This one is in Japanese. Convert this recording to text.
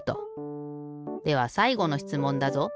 ではさいごのしつもんだぞ。